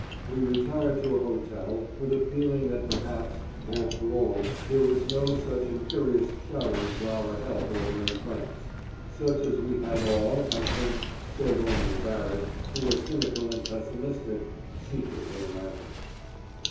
We retired to an hotel with a feeling that perhaps after all there was no such imperious shouting for our help over in France, such as we had all, I think (save only Barrett, who was cynical and pessimistic!) secretly imagined.